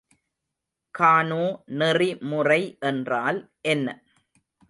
கானோ நெறிமுறை என்றால் என்ன?